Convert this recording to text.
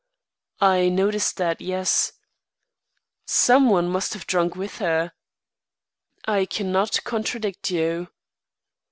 "I noticed that, yes." "Some one must have drunk with her?" "I cannot contradict you."